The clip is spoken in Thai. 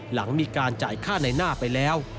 หลังมีการจ่ายค่าในหน้าไปแล้ว